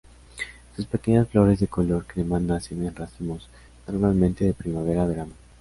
Sus pequeñas flores de color crema nacen en racimos, normalmente de primavera a verano.